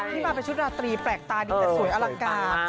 ที่มาเป็นชุดราตรีแปลกตาดีแต่สวยอลังการ